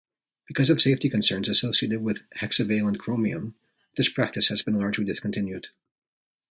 Because of safety concerns associated with hexavalent chromium, this practice has been largely discontinued.